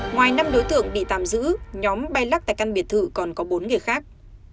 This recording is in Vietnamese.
ngoài năm đối tượng bị tạm giữ nhóm bay lắc tại căn biệt thự còn có bốn người khác